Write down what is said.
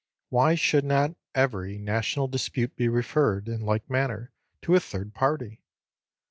Why should not every national dispute be referred, in like manner, to a third party?